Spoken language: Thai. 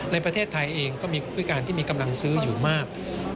ในประเทศไทยเองก็มีผู้การที่มีกำลังซื้ออยู่มาก